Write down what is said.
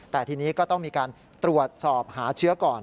แต่ทีนี้ก็ต้องมีการตรวจสอบหาเชื้อก่อน